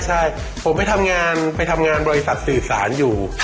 ใช่ผมไปทำงานไปทำงานบริษัทสื่อสารอยู่